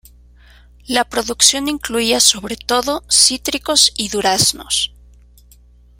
La producción incluía sobre todo cítricos y duraznos.